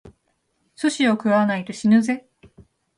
寿司を食わないと死ぬぜ！